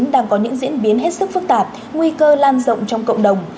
đang có những diễn biến hết sức phức tạp nguy cơ lan rộng trong cộng đồng